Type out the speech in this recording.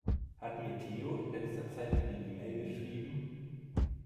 Hat mir Theo in letzter Zeit eine E-Mail geschrieben?